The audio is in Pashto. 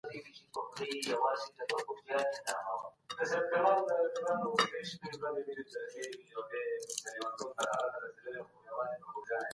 د ډیموکراسۍ دوره تر جګړو ډېره زرینه وه.